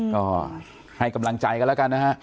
ก็ให้กำลังใจกันแล้วกันนะฮะ